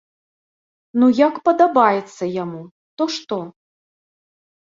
Ну як падабаецца яму, то што?